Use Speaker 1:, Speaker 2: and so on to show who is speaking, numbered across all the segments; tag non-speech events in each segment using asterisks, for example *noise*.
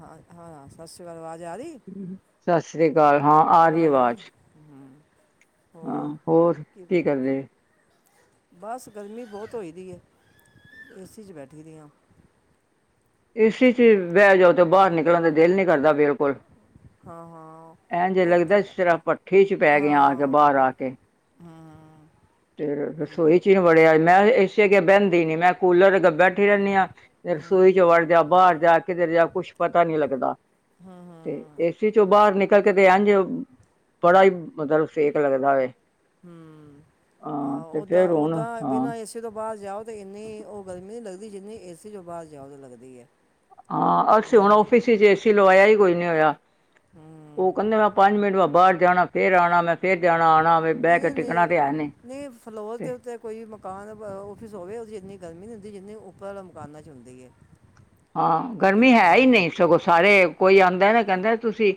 Speaker 1: ਹ ਹਾਂ, ਸਤਿ ਸ੍ਰੀ ਕਾਲ ਆਵਾਜ-
Speaker 2: ਸਤਿ ਸ੍ਰੀ‌ ਕਾਲ, ਹਾਂ ਆ ਰੀ ਏ
Speaker 1: ਆਵਾਜ਼ ਰਹੀ
Speaker 2: ਵਾਜ਼।
Speaker 1: ਹਮ, ਹੋਰ
Speaker 2: ਹਾਂ, ਹੋਰ ਕੀ ਕਰਦੇ?
Speaker 1: ਬਸ ਗਰਮੀ ਬਹੁਤ ਹੋ ਦੀ ਏ ਏਸੀ ਚ ਬੈਠੀ ਦੀ ਆਂ।
Speaker 2: ਏ ਸੀ ਚ ਬਹਿ ਜਾਓ ਤੇ ਬਾਹਰ ਨਿਕਲਣ ਦਾ ਦਿਲ ਨ ਕਰਦਾ ਬਿਲਕੁਲ।
Speaker 1: ਹਾਂ ਹਾਂ
Speaker 2: ਐਂ ਜੇ
Speaker 1: ਉਹ
Speaker 2: ਲੱਗਦਾ
Speaker 1: ਤੇ
Speaker 2: ਸਿਰ ਪੱਠੇ ਚ ਪੈ ਗਏ ਆ ਕੇ
Speaker 1: ਹਾਂ
Speaker 2: ਬਾਹਰ ਆ ਕੇ।
Speaker 1: ਹਮ,
Speaker 2: ਤੇ
Speaker 1: ਹਮ,
Speaker 2: ਰਸੋਈ ਚ ਹੀ ਵ੍ੜਿਆ ਮੈਂ ਏਸੀ ਅੱਗੇ ਬਹਿੰਦੀ ਨੀ ਮੈਂ ਕੂਲਰ ਅਗੇ ਬੈਠ ਬੈਠੀ ਰਹਿੰਣੀ ਹਾਂ ਰਸੋਈ ਚ ਵੜ ਜਾ ਬਾਹਰ ਜਾ ਕਿਧਰ ਜਾ ਕੁੱਛ ਪਤਾ ਨਹੀਂ ਲੱਗਦਾ। ਤੇ ਏਸੀ ਚੋਂ ਬਾਹਰ ਨਿਕਲ ਕਰਕੇ ਤੇ ਐਂਝ ਬੜਾ ਹੀ ਮਤਲਬ ਸੇਕ ਲੱਗਦਾ ਵੇ।
Speaker 1: ਹੂੰ।
Speaker 2: ਹਾਂ
Speaker 1: ਆਹ
Speaker 2: ਤੇ
Speaker 1: ਓਦਾਂ
Speaker 2: ਫੇਰ ਹੁਣ
Speaker 1: ਓਦਾਂ
Speaker 2: ਹਾਂ
Speaker 1: ਬਿਨਾਂ ਏੇਸੀ ਤੋਂ ਬਾਹਰ ਜਾਓ ਤੇ ਇੰਨੀ ਉਹ ਗਰਮੀ ਨੀ ਲੱਗਦੀ ਜਿੰਨੀ ਏ ਸੀ ਜੋ ਬਾਹਰ ਜਾਓਦੋਂ ਲੱਗਦੀ ਏ।
Speaker 2: ਹਾਂ ਅੱਸੀਂ ਹੁਣ ਆੱਫਿਸ ਚ ਏ ਸੀ ਲਵਾਇਆ ਹੀ ਕੋਈ ਨੀ ਹੋਇਆ। ਉਹ
Speaker 1: ਹਮ
Speaker 2: ਕਹਿੰਦੇ ਮੈਂ ਪੰਜ ਮਿੰਟ ਵੈਂ ਬਾਹਰ ਜਾਣਾ ਫੇਰ ਆਣਾ ਮੈਂ। ਜਾਣਾ-ਆਣਾ ਹੋਵੇ ਬਹਿ
Speaker 1: ਨਹੀਂ
Speaker 2: ਕੇ
Speaker 1: ਨਹੀਂ ਨਹੀਂ
Speaker 2: ਟਿੱਕਣਾ ਤੇ ਹੈ ਨੀ।
Speaker 1: ਨਹੀਂ ਫਲੋਰ ਤੇ ਉੱਤੇ ਕੋਈ ਮਕਾਨ ਆੱਫਿਸ ਹੋਵੇ ਉਥੇ ਇੰਨੀ ਗਰਮੀ ਨੀ ਹੁੰਦੀ। ਜਿੰਦੇ ਉੱਪਰ ਵਾਲੇ ਮਕਾਨਾਂ ਚ ਹੁੰਦੀ ਏ।
Speaker 2: ਹਾਂ ਗਰਮੀ ਹੈ ਹੀ ਨਹੀਂ ਸਗੋਂ ਸਾਰੇ ਕੋਈ ਆਂਦਾ ਨਾ ਕਹਿੰਦਾ। ਤੁਸੀਂ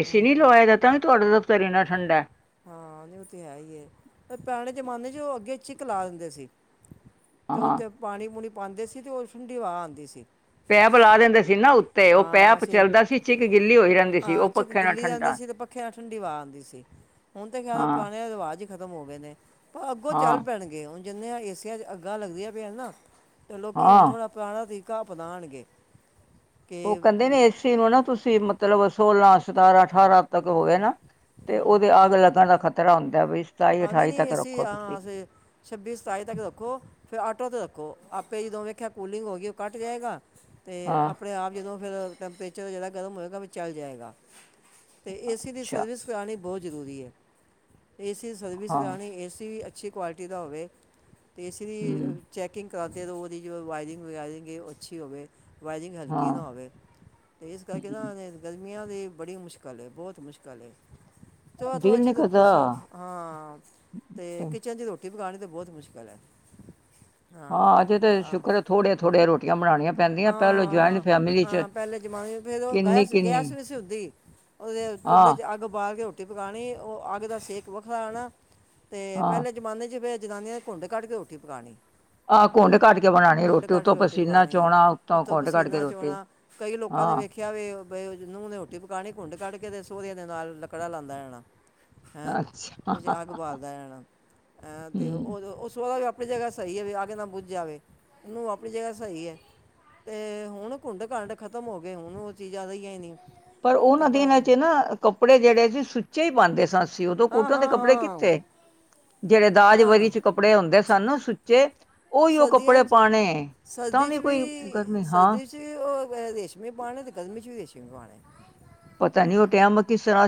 Speaker 2: ਏਸੀ ਨੀ
Speaker 1: ਹੂੰ
Speaker 2: ਲਵਾਯਾ ਦਾ ਤਾਂ ਵੀ ਤੁਹਾਡਾ ਦਫ਼ਤਰ ਇੰਨਾ ਠੰਡਾ
Speaker 1: ਹਾਂ ਉਹ ਤੇ ਹੈ ਹੀ ਏ ਪੁਰਾਣੇ ਜਮਾਨੇ ਚ ਅੱ ਵਿੱਚ ਇੱਕ ਲਾ ਦਿੰਦੇ ਸੀ ਤੇ
Speaker 2: ਹਾਂ
Speaker 1: ਉਥੇ ਪਾਣੀ ਪੂਣੀ ਪਾਂਦੇ ਸੀ ਤੇ ਉਸ ਦੀ ਠੰਡੀ ਹਵਾ ਆਂਦੀ ਸੀ।
Speaker 2: ਪੈਪ ਲਾ ਦਿੰਦੇ ਸੀ ਨਾ। ਉੱਤੇ ਉਹ
Speaker 1: ਹਾਂ,
Speaker 2: ਪੈਪ
Speaker 1: ਅਸੀਂ
Speaker 2: ਚੱਲਦਾ ਸੀ ਚਿੱਕ ਗਿੱਲੀ ਹੋਈ ਰਹਿੰਦੀ ਸੀ
Speaker 1: ਹਾਂ
Speaker 2: ਉਹ
Speaker 1: ਚਿਕ
Speaker 2: ਪੱਖੇ ਨਾਲ
Speaker 1: ਗਿੱਲੀ ਲਦੀ
Speaker 2: ਠੰਡਾ
Speaker 1: ਸੀ ਤੇ ਪੱਖਿਆਂ ਠੰਡੀ ਵਵਾ ਆਉਂਦੀ ਸੀ। ਹੁਣ ਤਾਂ ਕਿਦੋ
Speaker 2: ਹਾਂ
Speaker 1: ਪੁਰਾਣੇ ਰਿਵਾਜ਼ ਖ਼ਤਮ ਹੋ ਗਏ ਨੇ, ਪਰ ਅੱਗੋਂ ਚੱਲ
Speaker 2: ਹਾਂ
Speaker 1: ਪੈਣਗੇ ਹੁਣ ਜਿੰਨੀਆਂ ਏਸਆ ਚ ਅੱਗਾਂ ਲੱਗਦੀਆਂ ਪਿਆ ਨਾ। ਅਤੇ ਲੋਕੀ ਹੁਣ
Speaker 2: ਹਾਂ
Speaker 1: ਥੋੜਾ ਪੁਰਾਣਾ ਤਰੀਕਾ ਬਣਾਣਗੇ।
Speaker 2: ਉਹ ਕਹਿੰਦੇ ਨੇ ਏੇਸੀ ਨੂੰ ਨਾ ਤੁਸੀਂ ਮਤਲਬ ਸੋਲਾਂ, ਸਤਾਰਾਂ, ਅਠਾਰਾਂ ਤੱਕ ਹੋ ਗਿਆ ਨਾ। ਤੇ ਉਹਦੇ ਅੱਗ ਲੱਗਣ ਦਾ ਖ਼ਤਰਾ ਹੁੰਦਾ ਬਈ।
Speaker 1: ਆ ਨਹੀਂ-ਨਹੀਂ ਏਸੀ ਹਾਂ ਛੱਬੀ, ਸਤਾਈ ਤੱਕ ਰੱਖੋ ਫਿਰ ਆਟੋ ਤੇ ਰੱਖੋ। ਜਦੋਂ ਵੇਖਿਆ ਕੂਲਿੰਗ ਹੋ ਗਈ, ਉਹ ਕੱਟ ਜਾਏਗਾ ਤੇ
Speaker 2: ਹਾਂ
Speaker 1: ਆਪਣੇ ਆਪ ਜਦੋਂ ਫਿਰ ਟੈਂਪਰੇਚਰ ਜਿਹੜਾ ਗਰਮ ਹੋਏਗਾ ਓਵੀ ਚਲ ਜਾਏਗਾ ਤੇ ਏਸੀ ਦੀ
Speaker 2: ਅੱਛਾ
Speaker 1: ਸਰਵਿਸ ਕਰਾਣੀ ਬਹੁਤ ਜ਼ਰੂਰੀ ਐ, ਏਸੀ ਸਰਵਿਸ
Speaker 2: ਹਾਂ
Speaker 1: ਕਰਾਣੀ, ਏ ਸੀ ਵੀ ਅੱਛੀ ਕੁਆਲਿਟੀ ਦਾ ਹੋਵੇ। ਅਤੇ ਇਸ ਲਈ
Speaker 2: ਹਮ
Speaker 1: ਚੈਕਿੰਗ ਕਰਾ ਕੇ ਉਹਦੀ ਜੋ ਵਾਇਰਿੰਗ ਵਗੈਰਾ ਉਹ ਅੱਛੀ ਹੋਵੇ। ਵਾਇਰਿੰਗ ਹਲਕੀ ਨਾ
Speaker 2: ਹਾਂ
Speaker 1: ਹੋਵੇ ਤੇ ਇਸ ਕਰਕੇ
Speaker 2: ਹੂੰ,
Speaker 1: ਨਾ ਇਸ ਗੱਲ ਗਮੀਆਂ ਦੀ ਬੜੀ ਮੁਸ਼ਕਲ ਬਹੁਤ ਮੁਸ਼ਕਿਲ
Speaker 2: ਦਿਲ ਨੀ ਕਰਦਾ।
Speaker 1: ਹਾਂ
Speaker 2: ਤੇ
Speaker 1: ਅਤੇ ਕਿਚਨ ਚ ਰੋਟੀ ਪਕਾਣੀ ਤਾਂ ਬਹੁਤ ਮੁਸ਼ਕਿਲ ਐ।
Speaker 2: ਹਾਂ ਅਜੇ ਤੇ ਸ਼ੁਕਰ ਥੋੜੇ ਥੋੜ੍ਹੇ ਰੋਟੀਆਂ ਬਣਾਣੀਆਂ।
Speaker 1: ਹਾਂ-ਹਾਂ-ਹਾਂ, ਪਹਿਲੇ ਜਮਾਨ ਫੇਰ ਉਹ
Speaker 2: ਕਿੰਨੀ
Speaker 1: ਗੈਸ
Speaker 2: ਕਿੰਨੀ
Speaker 1: ਗੈਸ ਨ ਸੀ ਹੁੰਦੀ ਉਹਦੇ ਚੁੱਲ੍ਹੇ
Speaker 2: ਹਾਂ
Speaker 1: ਚ ਅੱਗ ਬਾਲ ਰੋਟੀ ਪਕਾਣੀ ਉਹ ਅੱਗ ਦਾ ਸੇਕ ਵੱਖਰਾ ਆਣਾ ਤੇ
Speaker 2: ਹਾਂ
Speaker 1: ਪਹਿਲੇ ਜਮਾਨੇ ਚ ਜਨਾਨੀਆਂ ਨੇ ਘੁੰਡ ਕੱਢ ਕੇ ਰੋਟੀ ਪਕਾਣੀ।
Speaker 2: ਆਹ ਕੁੰਡ ਕੱਢ ਕੇ ਬਣਾਣੀ ਰੋਟੀ,
Speaker 1: ਕੇ
Speaker 2: ਉੱਤੋਂ ਪਸੀਨਾ
Speaker 1: ਪਕਾਣੀ ਹੈ
Speaker 2: ਚੋਣਾ। ਉੱਤੋਂ
Speaker 1: ਉੱਥੋਂ
Speaker 2: ਘੁੰਡ ਕੱਢ ਕੇ
Speaker 1: ਪਸੀਨਾ
Speaker 2: ਰੋਟੀ
Speaker 1: ਚੋਣਾ, ਕਈ ਲੋਕਾਂ ਨੇ
Speaker 2: ਹਾਂ
Speaker 1: ਵੇਖਿਆ ਵੇ। ਬ ਨੂੰਹ ਨੇ ਰੋਟੀ ਪਕਾਉਣੀ ਕੁੰਡ ਕੱਢ ਕੇ ਤੇ ਸੋਹਰਿਆਂ ਦੇ ਨਾਲ ਲੱਕੜਾ ਲਾਦਾ ਰਹਿਣਾ। ਹੈਂ
Speaker 2: ਅੱਛਾ
Speaker 1: ਵਿੱਚ ਅੱਗ ਬਾਲਦਾ ਰੇਣਾ ਤੇ
Speaker 2: ਹਮ
Speaker 1: ਉਹ ਸੋਹਰਾ ਵੀ ਆਪਣੀ ਜਗ੍ਹਾ ਸਹੀ ਐ, ਅੱਗ ਕੇ ਨਾ ਬੁੱਝ ਜਾਵੇ, ਨੂੰਹ ਆਪਣੀ ਜਗ੍ਹਾ ਸਹੀ ਐ। ਤੇ ਹੁਣ ਕੁੰਡ ਕਡ ਖਤਮ ਹੋ ਗਏ, ਹੁਣ ਉਹ ਚੀਜ਼ਾਂ ਰਹੀਆਂ ਹੀ ਨੀ।
Speaker 2: ਪਰ ਉਹਨਾਂ ਦਿਨਾਂ ਚ ਨਾ ਕੱਪੜੇ ਜਿਹੜੇ ਸੀ ਸੁੱਚੇ ਹੀ ਪਾਦੇ ਸਾਂ। ਸੀਂ ਉਦੋਂ
Speaker 1: ਹਾਂ
Speaker 2: ਕੋਟਣ ਦੇ
Speaker 1: ਹਾਂ
Speaker 2: ਕੱਪੜੇ
Speaker 1: ਹਾਂ
Speaker 2: ਕਿੱਥੇ ਜਿਹੜੇ ਦਾਜ
Speaker 1: ਨਾ
Speaker 2: ਵਰੀ
Speaker 1: ਨਾ
Speaker 2: ਚ ਕੱਪੜੇ ਹੁੰਦੇ ਸਾਨੂੰ ਸੁੱਚੇ ਉਹੀ ਉਹ
Speaker 1: ਸਰਦੀਆਂ
Speaker 2: ਕੱਪੜੇ
Speaker 1: 'ਚ
Speaker 2: ਪਾਣੇ
Speaker 1: ਸਰਦੀ 'ਚ ਵੀ ਸਰਦੀ 'ਚ ਵੀ ਉਹ ਰੇਸ਼ਮੀ ਪਾਣੇ ਅਤੇ ਗਰਮੀ ਚ ਵੀ ਰੇਸ਼ਮੀ ਪਾਣੇ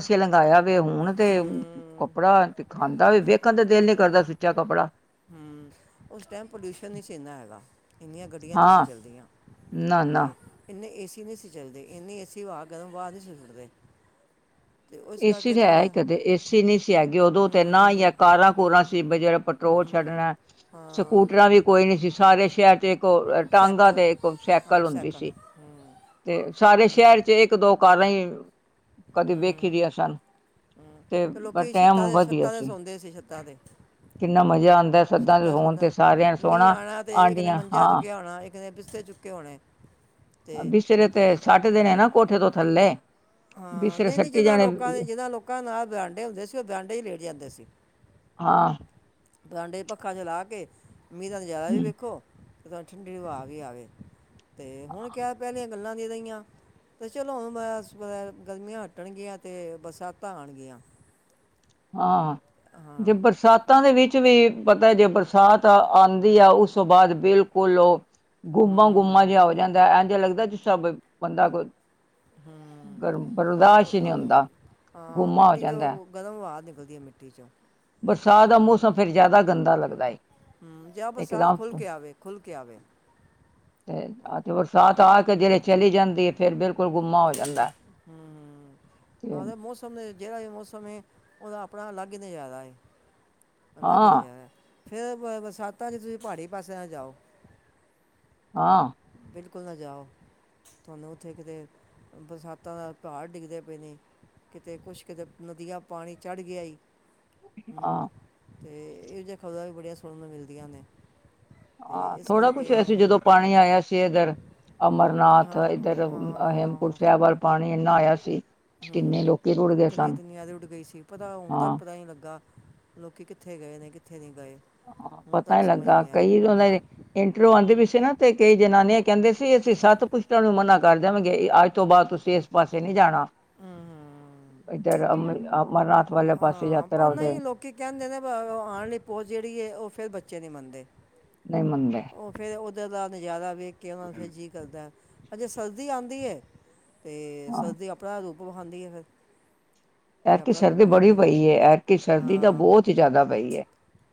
Speaker 2: ਉੱਚੇ ਲੰਗਾਇਆ ਵੇ, ਹੁਣ ਤੇ
Speaker 1: ਹੂੰ
Speaker 2: ਕੱਪੜਾ ਤੇ ਖਾਂਦਾ ਵੀ ਵੇਖਣ ਤੇ ਦਿਲ ਨੀ ਕਰਦਾ ਸੁੱਚਾ ਕੱਪੜਾ।
Speaker 1: ਹਮ, ਉਸ ਟਾਈਮ ਪੋਲਿਊਸ਼ਨ ਨਹੀਂ ਸੀ ਇੰਨਾ ਹੈਗਾ, ਇੰਨੀਆਂ ਗੱਡੀਆਂ ਨਹੀਂ ਸੀ
Speaker 2: ਹਾਂ
Speaker 1: ਚੱਲਦੀਆਂ।
Speaker 2: ਨਾ ਨਾ
Speaker 1: ਤੇ ਇਨੇ ਏਸੀ ਨਹੀਂ ਸੀ ਚੱਲਦੇ, ਇਨੇ ਏਸੀ ਵਾ ਗਰਮ ਹਵਾ ਨਹੀਂ ਸੀ ਸੁਟਦੇ।
Speaker 2: ਏਸੀ ਤਾਂ ਹੈ ਕਦੇ ਏਸੀ ਨੀ ਸੀ ਹੈਗੀ, ਉਦੋਂ ਤੇ ਨਾ ਹੀ ਹੈ,
Speaker 1: ਹੂੰ
Speaker 2: ਕਾਰਾਂ ਕੂਰਾ ਸੀ ਜਿਹੜਾ ਪੈਟਰੋਲ
Speaker 1: ਹੂੰ
Speaker 2: ਛੱਡਣਾ,
Speaker 1: ਹਾਂ
Speaker 2: ਸਕੂਟਰਾਂ ਵੀ ਕੋਈ ਨੀ ਸੀ ਸਾਰੇ ਸ਼ਹਿਰ ਚ ਟਾਂਗਾ
Speaker 1: ਸਾਈਕਲ
Speaker 2: ਤੇ ਇੱਕ ਸੈਕਲ
Speaker 1: ਹਾਂ
Speaker 2: ਹੁੰਦੀ
Speaker 1: ਸਾਈਕਲ
Speaker 2: ਸੀ।
Speaker 1: ਹੂੰ
Speaker 2: ਤੇ ਸਾਰੇ
Speaker 1: ਹੂੰ,
Speaker 2: ਸ਼ਹਿਰ ਚ ਇੱਕ ਦੋ ਕਾਰਾਂ ਹੀ ਕਦੇ ਵੇਖੀ ਦੀਆਂ ਸਨ।
Speaker 1: ਹਮ, ਤੇ ਲੋਕੀ ਛੱਤਾਂ ਦੇ ਛੱਤਾਂ ਦੇ ਸੌਂਦੇ ਸੀ ਛੱਤਾਂ ਤੇ।
Speaker 2: ਕਿੰਨਾ ਮਜ਼ਾ ਆਦਾ ਛੱਤਾ ਤੇ
Speaker 1: ਛੱਤਾਂ
Speaker 2: ਸੋਣ ਤੇ
Speaker 1: ਸੌਂਦਾ
Speaker 2: ਸਾਰਿਆਂ ਨੇ
Speaker 1: ਮੀਂਹ
Speaker 2: ਸੋਹਣਾ
Speaker 1: ਆਣਾ
Speaker 2: ਆਂਢੀਆਂ ਹਾਂ।
Speaker 1: ਬਿਸਤਰੇ ਚੁੱਕੇ ਹੋਣੇ। ਤੇ
Speaker 2: ਬਿਸਤਰੇ ਤੇ ਸਟ ਦੇ ਨੇ ਨਾ ਕੋਠੇ ਤੋਂ ਥੱਲੇ।
Speaker 1: ਹਾਂ
Speaker 2: ਬਿਸਤਰੇ
Speaker 1: ਨਹੀਂ-ਨਹੀਂ,
Speaker 2: ਸੱਟੀ
Speaker 1: ਜਿਦਾਂ
Speaker 2: ਜਾਣੇ
Speaker 1: ਲੋਕਾਂ ਦੇ ਜਿਹਨਾਂ ਲੋਕਾਂ ਨਾਲ ਬਰਾਂਡੇ ਹੁੰਦੇ ਸੀ, ਉਹ ਬਰਾਂਡੇ ਹੀ ਲੇਟ ਜਾਂਦੇ ਸੀ।
Speaker 2: ਹਾਂ।
Speaker 1: ਬਰਾਂਡੇ ਚ ਪੱਖਾ ਚਲਾ ਕੇ ਮੀਂਹ ਦਾ ਨਜਾਰਾ ਵੀ
Speaker 2: ਹੂੰ
Speaker 1: ਵੇਖੋ। ਠੰਡੀ ਹਵਾ ਵੀ ਆਵੇ ਤੇ ਹੁਣ ਕਿਆ ਪਹਿਲੀਆਂ ਗੱਲਾਂ ਨਹੀ ਰਹੀਆਂ। ਤੇ ਚਲੋ ਹੁਣ ਬ ਗਰਮੀਆਂ ਹਟਣਗੀਆਂ ਤੇ ਬਰਸਾਤਾਂ ਆਣਗੀਆਂ।
Speaker 2: ਹਾਂ ਜੇ
Speaker 1: ਹਾਂ
Speaker 2: ਬਰਸਾਤਾਂ ਦੇ ਵਿੱਚ ਵੀ ਪਤਾ ਜੇ ਬਰਸਾਤ ਆਉਦੀ ਆ, ਉਸ ਤੋਂ ਬਾਅਦ ਬਿਲਕੁਲ ਗੁੰਮਾ ਗੁੰਮਾ
Speaker 1: ਹੂੰ
Speaker 2: ਜਿਹਾ ਹੋ ਜਾਂਦਾ ਐ ਜਿਹਾ ਲੱਗਦਾ ਜਿਸ ਸ ਬੰਦਾ ਕੋ। ਗਰਮ
Speaker 1: ਉਹ- ਉਹ-
Speaker 2: ਬਰਦਾਸ਼ ਹੀ ਨਹੀਂ
Speaker 1: ਆ-
Speaker 2: ਹੁੰਦਾ
Speaker 1: ਆ,
Speaker 2: ਗੁੰਮਾ ਹੋ
Speaker 1: ਮਿੱਟੀ
Speaker 2: ਜਾਂਦਾ।
Speaker 1: ਜੋ ਗਰਮ ਹਵਾ ਨਿਕਲਦੀ ਹੈ ਮਿੱਟੀ ਚੋਂ।
Speaker 2: ਬਰਸਾਤ ਦਾ ਮੌਸਮ ਫਿਰ ਜ਼ਿਆਦਾ ਗੰਦਾ ਲੱਗਦਾ ਏ।
Speaker 1: ਹਮ ਜਾ ਬਰਸਾਤ
Speaker 2: ਇਕਦਮ
Speaker 1: ਖੁਲ ਕੇ ਆਵੇ ਖੁਲ ਕੇ ਆਵੇ।
Speaker 2: ਤੇ ਅਜ ਬਰਸਾਤ
Speaker 1: ਹਾਂ
Speaker 2: ਆ ਕੇ ਜਿਹੜੀ ਚਲੀ ਜਾਂਦੀ ਹੈ ਫਿਰ ਬਿਲਕੁਲ ਗੁੰਮਾ ਹੋ ਜਾਂਦਾ।
Speaker 1: ਹਮ ਆਹ ਤੇ ਮੌਸਮ ਨੇ ਜਿਹੜਾ ਵੀ ਮੌਸਮ। ਸਮੇਂ ਉਹਦਾ ਆਪਣਾ ਅਲੱਗ ਹੀ ਨਜਾਰਾ ਹੈ ਅਲੱਗ ਹੀ
Speaker 2: ਹਾਂ
Speaker 1: ਨਜਾਰਾ ਹੈ। ਫ਼ੇਰ ਬਰਸਾਤਾਂ ਚ ਤੁਸੀਂ ਪਹਾੜੀ ਪਾਸੇ ਨ ਜਾਓ।
Speaker 2: ਹਾਂ।
Speaker 1: ਬਿਲਕੁਲ ਨਾ ਜਾਓ ਤੁਹਾਨੂੰ ਉੱਥੇ ਕਿਤੇ ਬਰਸਾਤਾਂ ਨਾਲ ਪਹਾੜ ਡਿੱਗਦੇ ਪਏ ਨੇ। ਕਿਤੇ ਕੁਛ ਕਿਤੇ ਨਦੀਆਂ ਪਾਣੀ ਚੜ ਗਿਆ ਹੀ। ਹਮ
Speaker 2: ਹਾਂ
Speaker 1: ਤੇ ਇਹੋ ਜਿਹੀਆਂ ਖ਼ਬਰਾਂ ਵੀ ਬੜੀਆਂ ਸੁਣਨ ਨੂੰ ਮਿਲਦੀਆਂ ਨੇ। ਤੇ
Speaker 2: ਹਾਂ
Speaker 1: ਇਸ
Speaker 2: ਥੋੜਾ ਕੁਛ
Speaker 1: ਕਰਕੇ
Speaker 2: ਵ ਸੀ ਜਦੋਂ ਪਾਣੀ ਆਇਆ ਸੀ। ਸੀ ਇਧਰ
Speaker 1: ਹਮ,
Speaker 2: ਅਮਰਨਾਥ
Speaker 1: ਹਾਂ
Speaker 2: ਇੱਧਰ ਹੇਮਕੁੰਟ ਸਾਹਿਬ ਪਾਣੀ ਇੰਨਾ ਆਇਆ ਸੀ।
Speaker 1: ਹਮ
Speaker 2: ਕਿੰਨੇ
Speaker 1: ਹਮ
Speaker 2: ਲੋਕੀ ਰੁੜ ਗਏ
Speaker 1: ਕਿੰਨੀ
Speaker 2: ਸਨ
Speaker 1: ਦੁਨੀਆਂ ਦੀ ਉੱਡ ਗਈ ਸੀ ਪਤਾ ਹੁਣ ਤੱਕ
Speaker 2: ਹਾਂ
Speaker 1: ਪਤਾ ਨੀ ਲੱਗਾ। ਲੋਕੀ ਕਿੱਥੇ ਗਏ ਨੇ ਕਿੱਥੇ ਨੀ।
Speaker 2: ਹਾਂ ਪਤਾ ਲੱਗਾ ਕਈ
Speaker 1: ਹਾਂ
Speaker 2: ਇੰਟਰ ਵਯੂ ਆਉਂਦੇ ਵੀ ਸੀ ਨਾ ਤੇ। ਕਈ ਜਨਾਨੀਆਂ ਕਹਿੰਦੇ ਸੀ ਅਸੀਂ ਸੱਤ ਪੁਸ਼ਟਾਂ ਨੂੰ ਮਨਾ ਕਰ ਦੇਵਾਂਗੇ ਅੱਜ ਤੋਂ ਬਾਅਦ ਤੁਸੀਂ ਇਸ ਪਾਸੇ ਨਹੀਂ ਜਾਣਾ।
Speaker 1: ਹਮ ਹਮ।
Speaker 2: ਇੱਧਰ ਅਮਰ ਅਮਰਨਾਥ ਵਾਲੇ ਪਾਸੇ
Speaker 1: ਹਾਂ
Speaker 2: ਯਾਤਰਾ
Speaker 1: ਪਰ
Speaker 2: ਉਹਦੇ
Speaker 1: ਨਹੀ ਲੋਕੀ ਕਹਿੰਦੇ ਨੇ ਆਉਣ ਲਈ। ਜਿਹੜੀ ਹੈ ਉਹ ਫੇਰ ਬੱਚੇ ਨਹੀਂ ਮੰਨਦੇ।
Speaker 2: ਨਹੀਂ ਮੰਨਦੇ।
Speaker 1: ਉਧਰ ਦਾ ਨਜ਼ਾਰਾ ਵੇਖ ਕੇ ਉਹਨਾ ਨੂੰ ਫਿਰ ਜੀਅ ਕਰਦਾ ਅ ਜੇ ਸਰਦੀ ਆਉਂਦੀ ਹੈ। ਅਤੇ
Speaker 2: ਹਾਂ
Speaker 1: ਸਰਦੀ ਆਪਣਾ ਰੂਪ ਵਿਖਾਂਦੀ ਹੈ ਫਿਰ। ਫਿਰ
Speaker 2: ਐਦਕੀ
Speaker 1: ਆਪਣਾ ਰੂਪ
Speaker 2: ਸਰਦੀ ਬੜੀ
Speaker 1: ਵਿਖਾਉਂਦੀ
Speaker 2: ਪਈ ਹੈ। ਸਰਦੀ ਤਾਂ
Speaker 1: ਹਾਂ
Speaker 2: ਬਹੁਤ ਹੀ ਜ਼ਿਆਦਾ ਪਈ ਹੈ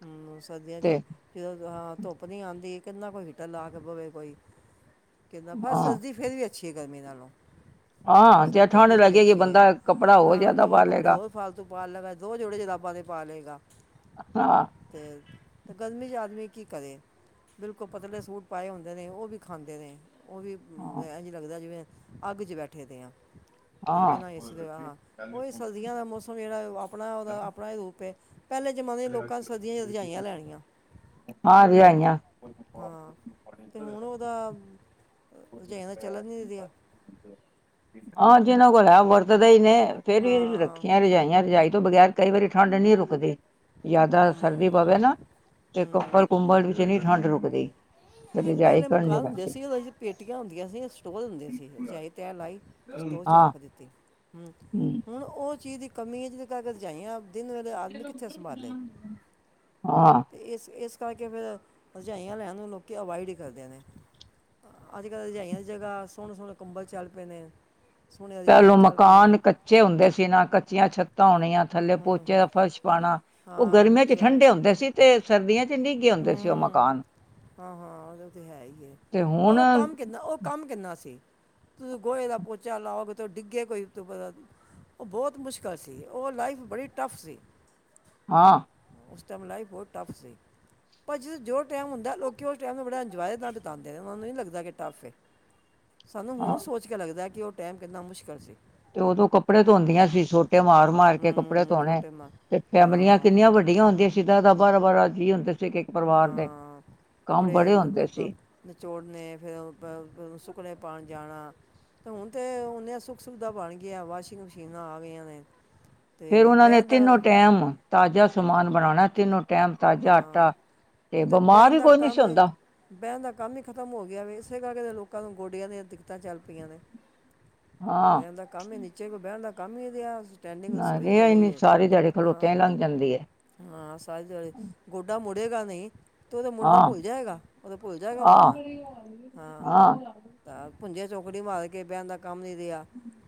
Speaker 1: ਹਮ ਸਰਦੀਆਂ ਚ
Speaker 2: ਤੇ
Speaker 1: ਜਦੋਂ ਹਾਂ ਧੁੱਪ ਨੀ ਆਉਂਦੀ। ਕਿੰਨਾ ਕੋਈ ਹੀਟਰ ਲਾ ਕੇ ਪਵੇ ਕੋਈ ਕਿੰਦਾ ਪਰ
Speaker 2: ਹਾਂ
Speaker 1: ਸਰਦੀ ਫੇਰ ਵੀ ਅੱਛੀ ਹੈ ਗਰਮੀ ਨਾਲੋਂ। ਸਰਦੀ ਫੇਰ ਵੀ ਅੱਛੀ ਆ ਹਾਂ ਦੋ ਕੱਪੜੇ ਹੋਰ ਫਾਲਤੂ ਪਾ ਲਵੋ। ਬੜੇ ਜਰਾਬਾਂ ਤੇ ਪਾ ਲਏਗਾ ਤੇ। ਗਰਮੀ ਚ ਆਦਮੀ ਕੀ ਕਰੇ ਬਿਲਕੁਲ ਪਤਲੇ ਸੂਟ ਪਾਏ ਹੁੰਦੇ ਨੇ ਉਹ ਵੀ ਖਾਂਦੇ ਨੇ। ਉਹ ਵੀ ਇਜ ਲੱਗਦਾ ਜਿਵੇਂ ਅੱਗ ਚ ਬੈਠੇ ਦੇ ਆ। ਬਿਨਾਂ ਇਸ ਹਾਂ ਉਹਹੀ ਸਰਦੀਆਂ ਦਾ ਮੌਸਮ ਜਿਹੜਾ ਆਪਣਾ ਉਹਦਾ ਆਪਣਾ ਹੀ ਰੂਪ ਹੈ। ਪਹਿਲੇ ਜਮਾਨੇ ਲੋਕਾਂ ਸਰਦੀਆਂ ਰਜਾਈਆ ਲੈਣੀਆਂ।
Speaker 2: ਹਾਂ
Speaker 1: ਹਮ
Speaker 2: ਰਜਾਈਆਂ
Speaker 1: ਹਾਂ ਤੇ ਹੁਣ ਉਹਦਾ। ਰਜਾਈ ਤਾਂ ਚੱਲਣ ਨਹੀਂ ਰਿਹਾ।
Speaker 2: ਹਾਂ ਜਿਹਨਾਂ ਕੋਲ ਹੈ। ਵਰਤਦਾ ਹੀ ਨੇ ਫੇਰ
Speaker 1: ਹਾਂ
Speaker 2: ਵੀਰੱਖੀਆਂ ਰਜਾਈਆਂ ਰਜਾਈ। ਤੋਂ ਬਗੈਰ ਕਈ ਵਾਰੀ ਠੰਡ ਨਹੀਂ ਰੁਕਦੀ। ਜ਼ਿਆਦਾ
Speaker 1: ਹੂੰ
Speaker 2: ਸਰਦੀ ਪਵੇ ਨਾ ਤੇ
Speaker 1: ਹੂੰ
Speaker 2: ਕੱਪਲ, ਕੁੰਬਲ ਵਿੱਚ ਨ ਠੰਡ ਨਹੀ ਰੁਕਦੀ। ਫਿਰ ਰਜਾਈ
Speaker 1: ਪਹਿਲੇ
Speaker 2: ਕਰਨੀ
Speaker 1: ਮੁਕਾਨ ਹੁੰਦੇ
Speaker 2: ਪੈਂਦੀ
Speaker 1: ਸੀ ਉਹਦੇ ਪੇਟੀਆਂ ਹੁੰਦੀਆਂ ਸੀ ਸਟੋਰ ਹੁੰਦੇ ਸੀ ਰਜਾਈ ਤੈ ਲਾਈ। ਸਟੋਰ ਚ
Speaker 2: ਹਾਂ
Speaker 1: ਰੱਖ ਦਿੱਤੀ ਹਮ ਹੁਣ ਉਹ ਚੀਜ਼ ਦੀ ਕਮੀ ਹੈ ਜਿਸਦੇ ਕਰਕੇ ਰਜਾਾਈਆਂ। ਦਿਨ ਵੇਲੇ ਆਦਮੀ ਕਿੱਥੇ ਸੰਭਾਲੇ
Speaker 2: ਹਾਂ
Speaker 1: ਤੇ ਇਸ ਇਸ। ਇਸ ਕਰਕੇ ਫਿਰ ਰਜਾਈਆਂ ਲੈਣ ਨੂੰ ਲੋਕ ਅਵਾਇਡ ਹੀ ਕਰਦੇ ਨੇ। ਅੱਜ, ਕੱਲ੍ਹ ਰਜਾਈਆਂ ਦੀ ਜਗਹਾ ਸੋਹਣੇ, ਸੋਹਣੇ ਕੰਬਲ ਚੱਲ ਪਏ ਨੇ। ਸੋਹਣੀਆਂ
Speaker 2: ਪਹਿਲੋਂ
Speaker 1: ਰਜਾਈਆਂ ਚੱਲ ਪਈਆਂ
Speaker 2: ਮਕਾਨ ਕੱਚੇ ਹੁੰਦੇ ਸੀ ਨਾ ਕੱਚੀਆਂ ਛੱਤਾਂ ਹੋਣੀਆਂ। ਥੱਲੇ ਪੋਚੇ ਦਾ ਫਰਸ਼ ਪਾਉਣਾ ਉਹ
Speaker 1: ਹਾਂ
Speaker 2: ਗਰਮੀਆਂ
Speaker 1: ਮਿੱਟੀ
Speaker 2: ਚ
Speaker 1: ਵੱਲ
Speaker 2: ਠੰਡੇ ਹੁੰਦੇ ਸੀ ਤੇ ਸਰਦੀਆਂ ਚ ਨਿੱਘੇ ਹੁੰਦੇ ਸੀ ਉਹ।
Speaker 1: ਹੂੰ
Speaker 2: ਮਕਾਨ।
Speaker 1: ਹਾਂ, ਹਾਂ ਉਹ ਤੇ ਹੈ ਹੀ
Speaker 2: ਤੇ
Speaker 1: ਪਰ
Speaker 2: ਹੁਣ
Speaker 1: ਉਹ ਕੰਮ ਕਿੰਨਾ, ਉਹ ਕੰਮ ਕਿੰਨਾ ਸੀ। ਤੂੰ ਗੋਹੇ ਦਾ ਪੋਚਾ ਲਾਓਗੇ ਤੂੰ ਡਿੱਗੇ ਕੋਈ ਤੂੰ ਪਤਾ। ਉਹ ਬਹੁਤ ਮੁਸ਼ਕਿਲ ਸੀ। ਉਹ ਲਾਈਫ ਬੜੀ ਟੱਫ ਸੀ।
Speaker 2: ਹਾਂ।
Speaker 1: ਉਸ ਟਾਈਮ ਲਾਈਫ ਬਹੁਤ ਟਫ ਸੀ। ਪਰ ਜਦ ਜੋ ਟਾਈਮ ਹੁੰਦਾ ਲੋਕੀ ਉਸ ਟਾਈਮ ਨੂੰ ਬੜਾ ਇੰਜੋਏ ਨਾਲ ਬਿਉਂਦੇ ਨੇ ਉਹਨਾਂ ਨੂੰ ਨਹੀਂ ਲੱਗਦਾ ਕਿ ਟੱਫਏ।
Speaker 2: *unintelligible*
Speaker 1: ਸਾਨੂੰ
Speaker 2: ਹਾਂ
Speaker 1: ਹੁਣ ਸੋਚ ਕੇ ਲੱਗਦਾ। ਕਿ ਉਹ ਟਾਈਮ ਕਿੰਨਾ ਮੁਸ਼ਕਿਲ ਸੀ।
Speaker 2: ਤੇ ਉਦੋਂ ਕੱਪੜੇ ਧੋਂਦੀਆਂ ਸੀ ਛੋਟ ਮਾਰ- ਮਾਰ ਕੇ ਕੱਪੜੇ
Speaker 1: ਹੂੰ
Speaker 2: ਧੋਣੇ।
Speaker 1: ਛੋਟੇ ਮਾਂ
Speaker 2: ਤੇ ਫੈਮਲੀਆਂ
Speaker 1: ਹਾਂ
Speaker 2: ਕਿੰਨੀਆਂ ਵੱਡੀਆਂ ਹੁੰਦੀਆਂ ਸੀ ਦੱਸ -ਦੱਸ, ਬਾਰਾਂ-ਬਾਰਾਂ
Speaker 1: ਹਾਂ,
Speaker 2: ਕੰਮ
Speaker 1: ਕੱਪੜੇ
Speaker 2: ਬੜੇ ਹੁੰਦੇ ਸੀ
Speaker 1: ਨਿਚੋੜਨੇ ਫੇਰ ਸੁੱਕਣੇ ਪਾਣ ਜਾਣਾ ਤੇ ਹੁਣ ਤੇ ਓਨੀਆਂ ਸੁੱਖ ਸੁਵਿਧਾ ਬਣ ਗਈਆਂ ਵਾਸ਼ਿੰਗ ਮਸ਼ੀਨਾਂ ਆ ਗਈਆਂ ਨੇ।
Speaker 2: ਫੇਰ
Speaker 1: ਤੇ
Speaker 2: ਉਹਨਾਂ ਨੇ
Speaker 1: ਬਹਿਣ ਦਾ
Speaker 2: ਤਿੰਨੋ ਟਾਈਮ ਤਾਜ਼ਾ
Speaker 1: ਹਾਂ
Speaker 2: ਸਮਾਨ ਬਣਾਉਣਾ ਤਿੰਨੋ ਟਾਈਮ ਤਾਜ਼ਾ
Speaker 1: ਹਾਂ
Speaker 2: ਆਟਾ ਤੇ
Speaker 1: ਹੁਣ
Speaker 2: ਬਿਮਾਰ
Speaker 1: ਬਹਿਣ
Speaker 2: ਵੀ
Speaker 1: ਦਾ
Speaker 2: ਕੋਈ ਨੀ ਸੀ
Speaker 1: ਕੰਮ
Speaker 2: ਹੁੰਦਾ।
Speaker 1: ਬਹਿਣ ਦਾ ਕੰਮ ਹੀ ਖਤਮ ਹੋ ਗਿਆ ਵੇ। ਇਸੇ ਕਰਕੇ ਲੋਕਾਂ ਨੂੰ ਗੋਡਿਆਂ ਦੇ ਦਿੱਕਤਾਂ ਚੱਲ ਪਈਆਂ ਨੇ।
Speaker 2: ਹਾਂ
Speaker 1: ਬਹਿਣ ਦਾ ਕੰਮ ਹੀ ਨੀਚੇ ਕੋਈ ਬਹਿਣ ਦਾ ਕੰਮ ਹੀ ਰਿਹਾ। ਸਟੈਂਡਿੰਗ ਰਸੋਈ
Speaker 2: ਰਿਹਾ
Speaker 1: ਹੋ
Speaker 2: ਇਨੀ
Speaker 1: ਗਈ ਹੈ
Speaker 2: ਸਾਰੀ ਦਿਹਾੜੀ
Speaker 1: ਹਾਂ
Speaker 2: ਖਲੋਤਿਆਂ ਹੀ ਲੰਘ ਜਾਂਦੀ ਏ।
Speaker 1: ਹਾਂ ਸਾਰੀ ਦਿਹਾੜੀ ਗੋਡਾ ਮੁੜੇਗਾ ਨਹੀਂ। ਤੇ ਉਹ ਤੇ ਮੁੜਨਾ ਭੁੱਲ ਜਾਏਗਾ, ਉਹ ਤੇ ਭੁੱਲ ਜਾਏਗਾ
Speaker 2: ਆਹ
Speaker 1: ਮੁੜਨਾ, ਹਾਂ। ਪੁੰਜੇ ਚੌਕੜੀ ਮਾਰ ਕੇ ਬਿਹਨ ਦਾ ਕੰਮ ਨਹੀਂ ਰਿਹਾ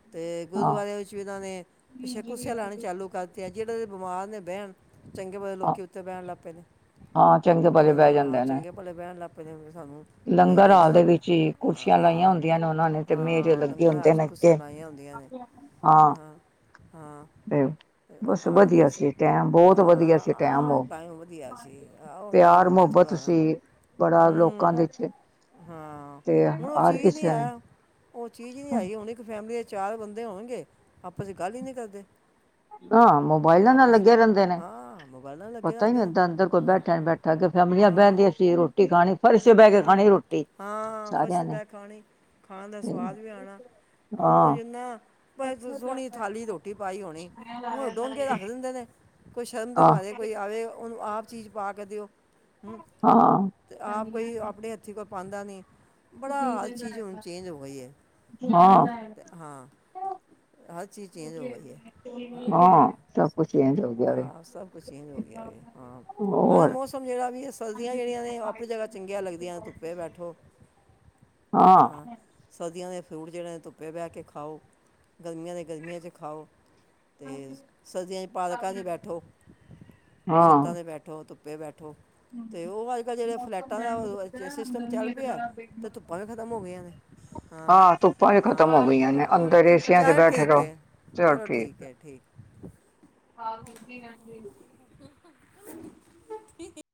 Speaker 1: ਅਤੇ
Speaker 2: ਹਾਂ
Speaker 1: ਗੁਰਦੁਆਰਿਆਂ ਵਿੱਚ ਵੀ ਇਹਨਾਂ ਨੇ ਪਿੱਛੇ ਕੁੁੱਸਿਆਂ ਲਾਣ ਚਾਲੂ ਕਰ ਦਿੱਤੀਆਂ ਜਿਹੜਾ ਬਿਮਾਰ ਨੇ ਬਹਿਣ, ਚੰਗੇ ਭਲੀ
Speaker 2: ਹਾਂ
Speaker 1: ਲੋਕੀ ਉੱਤੇ ਬਹਿਣ ਲੱਗ ਪਏ ਨੇ।
Speaker 2: ਹਾਂ, ਚੰਗੇ ਪਾਜੇ
Speaker 1: ਉਹਨਾਂ ਨੂੰ
Speaker 2: ਬਹਿ
Speaker 1: ਹਾਂ
Speaker 2: ਜਾਂਦੇ ਨੇ।
Speaker 1: ਚੰਗੇ ਭਲੇ ਬਹਿਣ ਲੱਗ ਪਏ ਨੇ ਵੀ ਸਾਨੂੰ ਇਹ
Speaker 2: ਲੰਗਰ
Speaker 1: ਗੋਡੇ
Speaker 2: ਹਾਲ
Speaker 1: ਦਾ
Speaker 2: ਦੇ
Speaker 1: ਮ-
Speaker 2: ਵਿੱਚ ਹੀ ਕੁਰਸੀਆਂ ਲਾਈਆਂ
Speaker 1: ਹਾਂ
Speaker 2: ਹੁੰਦੀਆਂ ਨੇ ਉਹ ਨੇ ਤੇ ਮੇਜ
Speaker 1: ਹਾਂ
Speaker 2: ਲੱਗੇ
Speaker 1: ਲੰਗਰ ਹਾਲ
Speaker 2: ਹੁੰਦੇ
Speaker 1: 'ਚ
Speaker 2: ਨੇ ਅੱਗੇ,
Speaker 1: ਕੁਰਸੀਆਂ ਲਾਈਆਂ ਹੁੰਦੀਆਂ ਨੇ
Speaker 2: ਹਾਂ।
Speaker 1: ਹਾਂ
Speaker 2: ਤੇ ਬੱਸ
Speaker 1: ਆ ਦੇ
Speaker 2: ਵਧੀਆ ਸੀ ਟੈਮ ਬਹੁਤ ਵਧੀਆ
Speaker 1: ਹਾਂ
Speaker 2: ਸੀ
Speaker 1: ਆਹ
Speaker 2: ਟੈਮ
Speaker 1: ਉਹ
Speaker 2: ਓ
Speaker 1: ਟਾਈਮ ਵਧੀਆ ਸੀ, ਆਹੋ! ਟਾਈਮ ਮੁੜ ਕੇ
Speaker 2: ਮੁਹੱਬਤ
Speaker 1: ਥੋੜ੍ਹਾ ਆਣਾ।
Speaker 2: ਸੀ ਬੜਾ ਲੋਕਾਂ ਦੇ
Speaker 1: ਹਮ
Speaker 2: ਚ ਤੇ ਹਰ ਕਿਸਛ
Speaker 1: ਆ ਉਹ ਚੀਜ਼ ਨਹੀ ਹੈਗੀ ਹੁਣ ਇੱਕ ਫੈਮਲੀ ਦੇ ਚਾਰ ਬੰਦੇ ਹੋਣਗੇ। ਆਪਸ ਚ ਗੱਲ ਹੀ ਨਹੀ ਕਰਦੇ।
Speaker 2: ਹਾਂ, ਮੋਬਾਇਲਾ ਨਾਲ
Speaker 1: ਆਪਸ ਵਿੱਚ
Speaker 2: ਲੱਗੇ ਰਹਿੰਦੇ ਨੇ।
Speaker 1: ਹਾਂ ਮੋਬਾਈਲਾਂ ਨਾਲ ਲੱਗੇ
Speaker 2: ਪਤਾ ਹੀ
Speaker 1: ਰਹਿੰਦੇ
Speaker 2: ਨਹੀਂ
Speaker 1: ਨੇ
Speaker 2: ਦਾਂ ਅੰਦਰ ਕੋਈ
Speaker 1: ਹਾਂ
Speaker 2: ਬੈਠਾ ਨੀ ਬੈਠਾ ਅੱਗੇ ਫੈਮਲੀਆਂ ਬਹਿੰਦੀਆਂ ਸੀ ਰੋਟੀ ਖਾਣੀ ਫਰਸ਼ ਤੇ ਬਹਿ ਕੇ
Speaker 1: ਹਮ!
Speaker 2: ਖਾਣੀ ਰੋਟੀ
Speaker 1: ਹਾਂ
Speaker 2: ਸਾਰਿਆਂ ਨੇ
Speaker 1: ਫਸਦਾ ਖਾਣੀ -ਖਾਣ ਦਾ
Speaker 2: ਤੇ
Speaker 1: ਸਵਾਦ ਵੀ ਆਉਣਾ। ਹੁ
Speaker 2: ਹਾਂ
Speaker 1: ਜਿੰਨਾ ਸੋਹਣੀ ਥਾਲੀ ਰੋਟੀ ਪਾਈ ਹੋਣੀ ਹੁਣ ਡੋਂਗੇ ਰੱਖ ਦਿੰਦੇ ਨੇ ਕੋਈ ਸ਼ਰਮ ਦੇ
Speaker 2: ਆਹ
Speaker 1: ਮਾਰੇ ਕੋਈ ਆਵੇ ਉਹਨੂੰ ਆਪ ਚੀਜ਼ ਪਾ ਕੇ ਦਿਓ। ਹੂੰ
Speaker 2: ਹਾਂ।
Speaker 1: ਤੇ ਆਪ ਕੋਈ ਆਪਣੇ ਹੱਥੀਂ ਕੋਈ ਪਾਉਂਦਾ ਨੀ। ਬੜਾ ਚੀਜ਼ ਹੁਣ ਚੇਂਜ ਹੋ ਗਈ ਹੈ
Speaker 2: ਹਾਂ
Speaker 1: ਤੇ ਹਾਂ। ਹਰ ਚੀਜ਼ ਚੇਂਜ ਹੋ ਗਈ ਹੈ। ਹਾਂ-
Speaker 2: ਸਭ ਕੁਛ ਚੇਂਜ ਹੋ ਗਿਆ ਵੇ
Speaker 1: ਹਾਂ ਸਭ ਕੁਛ ਚੇਂਜ ਹੋ ਗਿਆ ਵੇ। ਹਾਂ, ਅਰੇ
Speaker 2: ਹੋਰ
Speaker 1: ਮੌਸਮ ਜਿਹੜਾ ਵੀ ਏ ਸਰਦੀਆਂ ਜਿਹੜੀਆਂ ਨੇ ਆਪਣੀ ਜਗ੍ਹਾ ਚੰਗੀਆਂ ਲੱਗਦੀਆਂ। ਧੁੱਪੇ ਬੈਠੋ ਹਾਂ ਸਦੀਆਂ ਦੇ। ਫਰੂਟ ਜਿਹੜੇ ਨੇ ਧੁੱਪੇ ਬਹਿ ਕੇ ਖਾਓ, ਗਰਮੀਆਂ ਦੇ ਗਰਮੀਆਂ 'ਚ ਖਾਓ। ਤੇ ਸਰਦੀਆਂ ਚ ਪਾਰਕਾਂ ਚ ਬੈਠੋ,
Speaker 2: ਹਾਂ
Speaker 1: ਛੱਤਾਂ ਤੇ ਬੈਠੋ, ਧੁੱਪੇ ਬੈਠੋ। ਤੇ ਉਹ ਅੱਜ- ਕਲ ਜਿਹੜੇ ਫਲੈਟ ਧੱਟਾਂ ਦਾ ਸਿਸਟਮ ਚੱਲ ਪਿਆ ਅਤੇ ਧੁੱਪਾਂ ਵੀ ਖਤਮ ਹੋ ਗਈਆਂ ਨੇ, ਹਾਂ
Speaker 2: ਧੁੱਪਾਂ ਵੀ
Speaker 1: -ਹਾਂ।
Speaker 2: ਖ਼ਤਮ ਹੋ ਗਈਆਂ ਨੇ,
Speaker 1: ਹਾਂ
Speaker 2: ਅੰਦਰ ਏਸੀਆਂ ਕੇ
Speaker 1: ਚਲ
Speaker 2: ਬੈਠੇ
Speaker 1: ਠੀਕ
Speaker 2: ਰਹੋ।
Speaker 1: ਹੈ
Speaker 2: ਚਲੋ ਠੀਕ ਏ।
Speaker 1: *inaudible*
Speaker 2: ਹਾਂ, ਗਦੀ ਰਹਿੰਦੀ।
Speaker 1: *inaudible* *inaudible*